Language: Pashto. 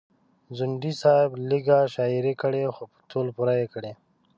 ځونډي صاحب لیږه شاعري کړې خو په تول پوره یې کړې.